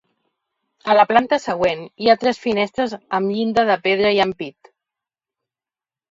A la planta següent, hi ha tres finestres amb llinda de pedra i ampit.